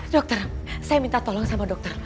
dokter saya minta tolong sama dokter